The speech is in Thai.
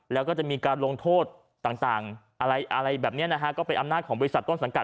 แล้วก็จะมีการลงโทษต่างอะไรแบบนี้นะฮะก็เป็นอำนาจของบริษัทต้นสังกัด